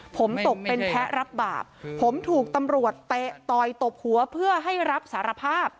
ผมตกเป็นแพ้รับบาปผมถูกตำรวจเตะต่อยตบหัวเพื่อให้รับสารภาพ